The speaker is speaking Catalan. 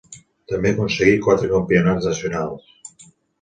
També aconseguí quatre campionats nacionals.